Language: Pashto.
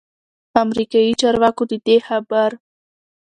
امریکايي چارواکو ددې خبر